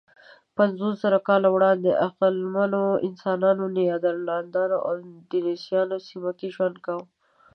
پنځوسزره کاله وړاندې عقلمنو انسانانو، نیاندرتالانو او دنیسووایانو دې سیمه کې ژوند کاوه.